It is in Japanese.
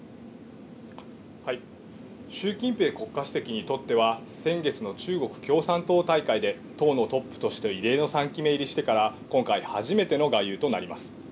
習近平国家主席にとっては、先月の中国共産党大会で、党のトップとして異例の３期目入りしてから今回初めての外遊となります。